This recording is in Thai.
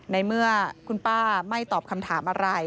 ในเมื่อคุณป้าไม่ตอบคำถามอะไร